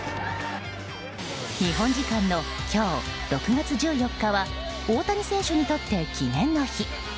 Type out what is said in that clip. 日本時間の今日６月１４日は大谷選手にとって記念の日。